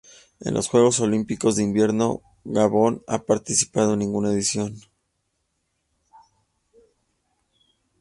En los Juegos Olímpicos de Invierno Gabón no ha participado en ninguna edición.